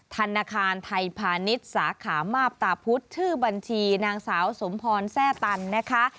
ธนาคารไทยพาณิชย์สาขามาบตาพุธชื่อบัญชีนางสาวสมพรแซ่ตันนะคะ